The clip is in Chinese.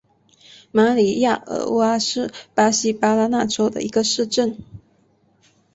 马里亚尔瓦是巴西巴拉那州的一个市镇。